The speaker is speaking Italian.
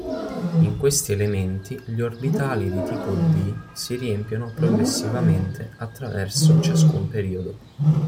In questi elementi gli orbitali di tipo "d" si riempiono progressivamente attraverso ciascun periodo.